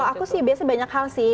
aku sih biasanya banyak hal sih